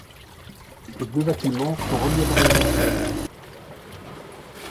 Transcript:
Ces deux bâtiments sont reliés par une passerelle.